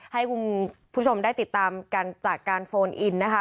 ให้คุณผู้ชมได้ติดตามกันจากการโฟนอินนะคะ